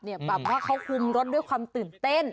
แบบว่าเขาคุมรถด้วยความตื่นเต้น